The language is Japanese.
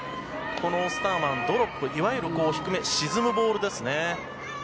このオスターマンはドロップ、いわゆる低めへ沈むボールですね。